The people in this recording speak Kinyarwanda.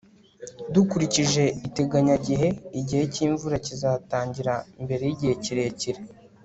dukurikije iteganyagihe, igihe cy'imvura kizatangira mbere yigihe kirekire